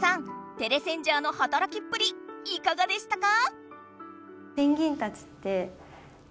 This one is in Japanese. テレセンジャーのはたらきっぷりいかがでしたか？